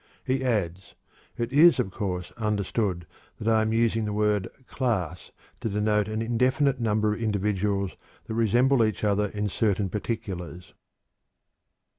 He adds: "It is, of course, understood that I am using the word 'class' to denote an indefinite number of individuals that resemble each other in certain particulars."